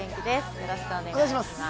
よろしくお願いします。